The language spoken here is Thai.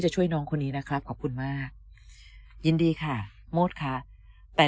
ช่วยน้องคนนี้นะครับขอบคุณมากยินดีค่ะโมดค่ะแต่